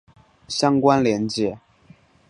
相关连结